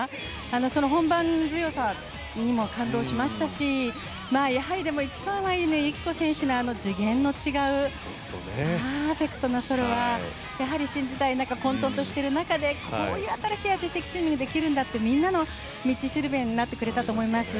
その本番強さにも感動しましたしやはりでも一番は乾友紀子選手の次元の違うパーフェクトなソロはやはり新時代混沌としている中でこういう新しいアーティスティックスイミングができるんだというみんなの道しるべになってくれたと思います。